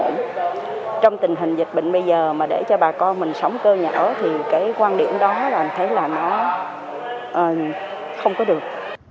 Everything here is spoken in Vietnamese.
trong tình hình dịch bệnh bây giờ mà để cho bà con mình sống cơ nhà ở thì cái quan điểm đó là mình thấy là nó không có được